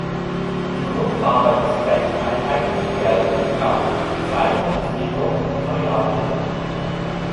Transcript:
Die Grundfarbe ist recht einheitlich gelblich braun, die Zeichnung ist jedoch variabel.